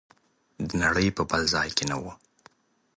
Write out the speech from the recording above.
د نړۍ په بل ځای کې نه و.